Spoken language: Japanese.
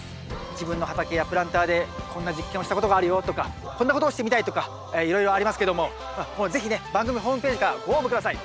自分の畑やプランターでこんな実験をしたことがあるよとかこんなことをしてみたいとかいろいろありますけどももう是非ね番組ホームページからご応募下さい。